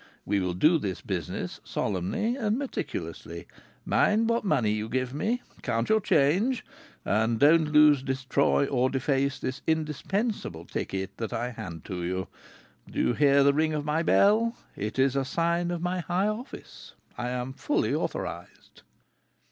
We will do this business solemnly and meticulously. Mind what money you give me, count your change, and don't lose, destroy, or deface this indispensable ticket that I hand to you. Do you hear the ting of my bell? It is a sign of my high office. I am fully authorized."